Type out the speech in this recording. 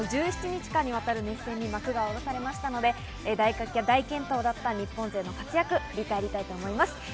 １７日間にわたる熱戦に幕がおろされましたので大健闘だった日本勢の活躍、振り返りたいと思います。